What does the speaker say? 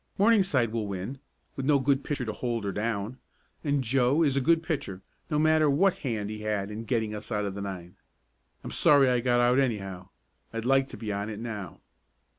Morningside will win, with no good pitcher to hold her down, and Joe is a good pitcher, no matter what hand he had in getting us out of the nine. I'm sorry I got out anyhow. I'd like to be on it now."